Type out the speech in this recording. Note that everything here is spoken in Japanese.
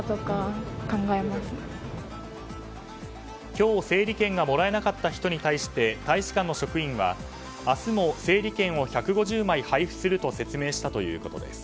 今日、整理券がもらえなかった人に対して大使館の職員は明日も整理券を１５０枚配布すると説明したということです。